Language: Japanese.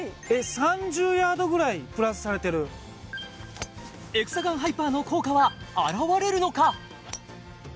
３０ヤードぐらいプラスされてるエクサガンハイパーの効果は表れるのか？